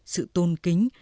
sự tôn kính